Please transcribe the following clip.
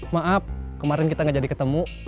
maaf kemarin kita gak jadi ketemu